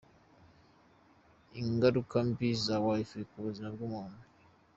Ingaruka mbi za Wi-Fi ku buzima bw’umuntu.